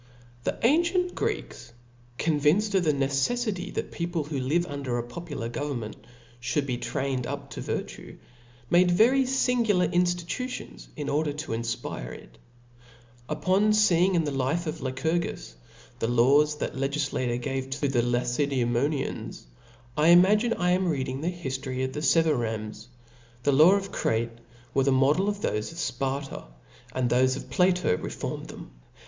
TpHE ancient Greeks, convinced of the ne^ '*' ceffity that people whOf live under a popuhr government fhould be. trained up to virtue, madci very fingular irtftitutions in order to infpire it. Upon feeing in the life of Lycurgus the laws that legiQa* tor gave to the Lacedaemonians, \ imagine I an^ Vol, L E reading 50 THE SPIRIT Book reacting the hiftory of the Sevarambes. The laws Chap^'^. of Crete were the model. of thofe of Sparta ; and thofe of Plato reformed them.